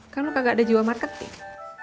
kan lo kagak ada jiwa marketing